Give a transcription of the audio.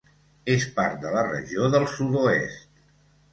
És part de la regió del sud-oest.